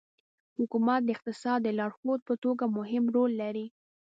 حکومت د اقتصاد د لارښود په توګه مهم رول لري.